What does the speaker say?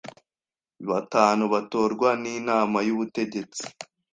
batanu batorwa n Inama y Ubutegetsi